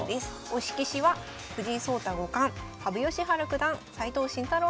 推し棋士は藤井聡太五冠羽生善治九段斎藤慎太郎